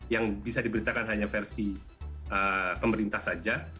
yang bisa diberitakan hanya versi pemerintah saja